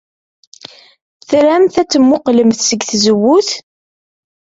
Tramt ad temmuqqlemt seg tzewwut.